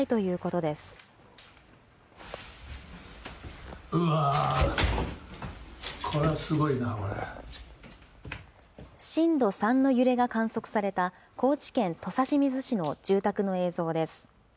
うわー、これはすごいな、震度３の揺れが観測された高知県土佐清水市の住宅の映像です。